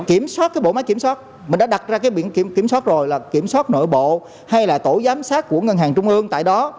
kiểm soát cái bộ máy kiểm soát mình đã đặt ra cái biển kiểm soát rồi là kiểm soát nội bộ hay là tổ giám sát của ngân hàng trung ương tại đó